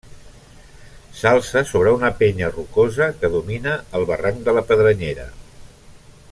S'alça sobre una penya rocosa que domina el Barranc de la Pedrenyera.